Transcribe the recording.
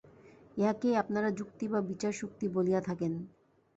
ইহাকেই আপনারা যুক্তি বা বিচারশক্তি বলিয়া থাকেন।